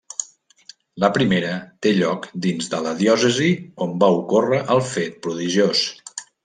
La primera té lloc dins de la diòcesi on va ocórrer el fet prodigiós.